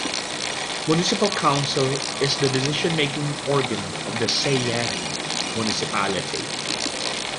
Municipal Council is the decision making organ of the Seyhan Municipality.